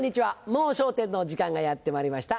『もう笑点』の時間がやってまいりました。